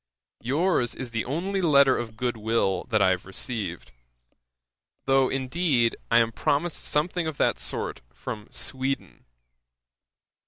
Your's is the only letter of goodwill that I have received; though, indeed, I am promised something of that sort from Sweden.